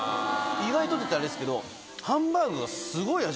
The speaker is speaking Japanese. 意外とって言ったらあれですけどハンバーグがすごい味